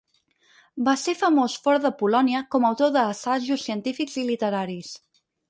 Va ser famós fora de Polònia com a autor de assajos científics i literaris.